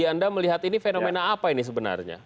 anda melihat ini fenomena apa ini sebenarnya